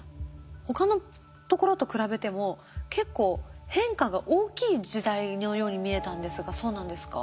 他のところと比べても結構変化が大きい時代のように見えたんですがそうなんですか？